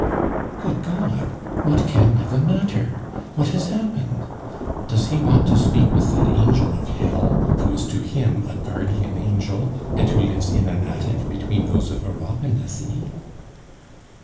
"Good God! what can be the matter? What has happened? Does he want to speak with that angel of hell, who is to him a guardian angel, and who lives in an attic between those of Europe and Asie?"